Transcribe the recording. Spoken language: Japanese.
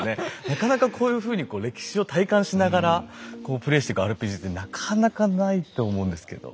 なかなかこういうふうにこう歴史を体感しながらこうプレイしてくＲＰＧってなかなかないと思うんですけど。